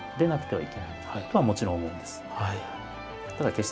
はい。